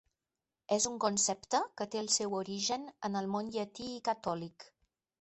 És un concepte que té el seu origen en el món llatí i catòlic.